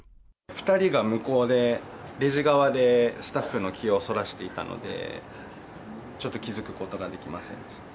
２人が向こうでレジ側でスタッフの気をそらしていたので、ちょっと気付くことができませんでした。